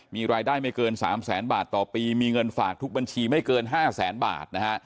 มีรายได้ไม่เกิน๓แสนบาทต่อปีมีเงินฝากทุกบัญชีไม่เกิน๕แสนบาทนะฮะ